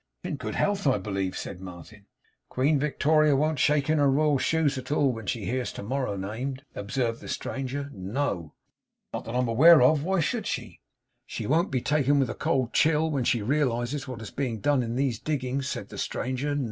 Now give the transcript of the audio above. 'In good health, I believe,' said Martin. 'Queen Victoria won't shake in her royal shoes at all, when she hears to morrow named,' observed the stranger, 'No.' 'Not that I am aware of. Why should she?' 'She won't be taken with a cold chill, when she realises what is being done in these diggings,' said the stranger.